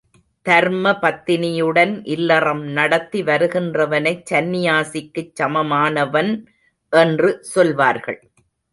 தர்மபத்தினியுடன் இல்லறம் நடத்தி வருகின்றவனைச் சந்நியாசிக்குச் சமமானவன் என்று சொல்வார்கள்.